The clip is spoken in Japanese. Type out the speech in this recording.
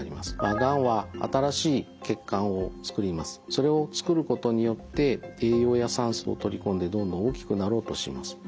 それをつくることによって栄養や酸素を取り込んでどんどん大きくなろうとします。